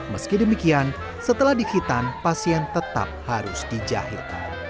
meski demikian setelah di hitan pasien tetap harus dijahit